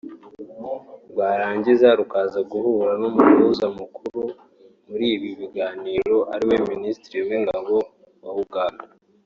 rwarangiza rukaza guhura n’umuhuza mukuru muri ibi biganiro ariwe Minisitiri w’Ingabo wa Uganda